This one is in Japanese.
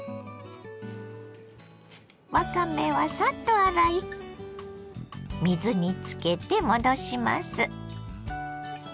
わかめはサッと洗い水につけて戻します。